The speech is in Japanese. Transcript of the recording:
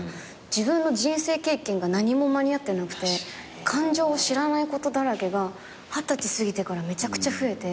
自分の人生経験が何も間に合ってなくて感情を知らないことだらけが二十歳過ぎてからめちゃくちゃ増えて。